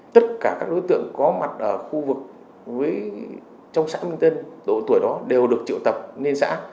tất cả các đối tượng có mặt ở khu vực trong xã minh tân độ tuổi đó đều được triệu tập lên xã